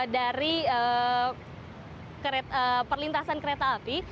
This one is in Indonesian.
dari perlintasan kereta api